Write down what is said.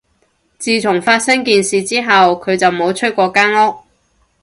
自從發生件事之後，佢就冇出過間屋